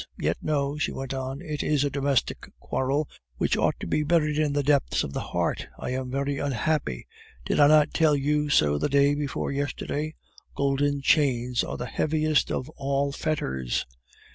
Yet, no," she went on; "it is a domestic quarrel, which ought to be buried in the depths of the heart. I am very unhappy; did I not tell you so the day before yesterday? Golden chains are the heaviest of all fetters."